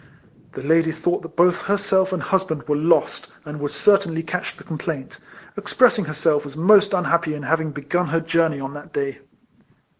The lady thought that both herself and husband were lost, and would certainly catch the com plaint ; expressing herself as most unhappy in having begun her journey on that day.